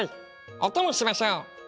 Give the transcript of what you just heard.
お供しましょう。